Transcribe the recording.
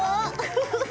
フフフ］